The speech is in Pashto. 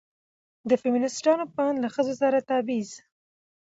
د فيمينستانو په اند له ښځو سره تبعيض